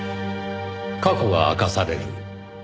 過去が明かされる。